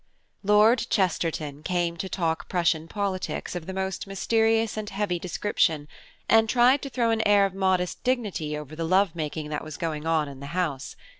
Lord Chesterton came to talk Prussian politics of the most mysterious and heavy description, and tried to throw an air of modest dignity over the love making that was going on in the house.